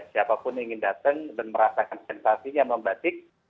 siapa pun yang ingin datang dan merasakan sensasi dengan batik